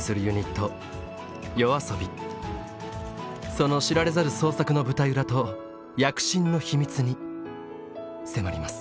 その知られざる創作の舞台裏と躍進の秘密に迫ります。